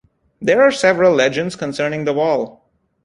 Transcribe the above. There are several legends concerning the wall.